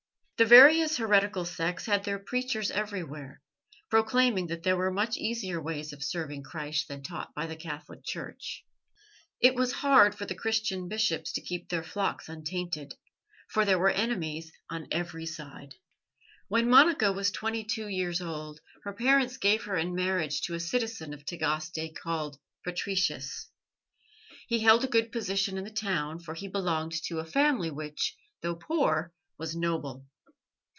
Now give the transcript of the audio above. The various heretical sects had their preachers everywhere, proclaiming that there were much easier ways of serving Christ than that taught by the Catholic Church. It was hard for the Christian bishops to keep their flocks untainted, for there were enemies on every side. VVhen Monica was twenty two years old her parents gave her in marriage to a citizen of Tagaste called Patricius. He held a good position in the town, for he belonged to a family which, though poor, was noble.